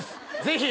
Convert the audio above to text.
ぜひ！